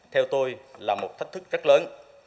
theo tôi là một thách thức rất lớn